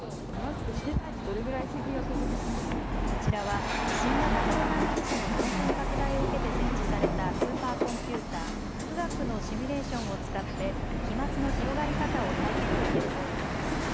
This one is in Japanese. こちらは新型コロナウイルスの感染拡大を受けて設置されたスーパーコンピューター、富岳のシミュレーションを使って飛まつの広がり方を体験できるコーナーです。